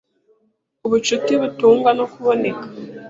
Ubucuti butungwa no kuboneka.